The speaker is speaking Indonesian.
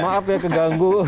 maaf ya keganggu